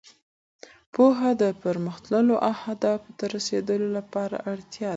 پوهه د پرمختللو اهدافو ته رسېدو لپاره اړتیا ده.